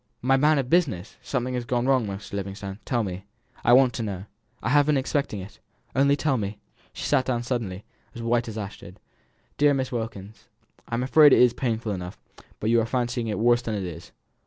"My man of business! Something has gone wrong, Mr. Livingstone. Tell me I want to know. I have been expecting it only tell me." She sat down suddenly, as white as ashes. "Dear Miss Wilkins, I'm afraid it is painful enough, but you are fancying it worse than it is.